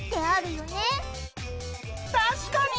確かに！